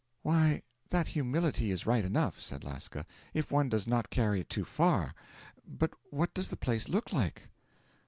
'Why, that humility is right enough,' said Lasca, 'if one does not carry it too far but what does the place look like?'